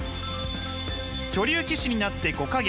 女流棋士になって５か月。